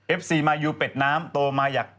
ซีมายูเป็ดน้ำโตมาอยาก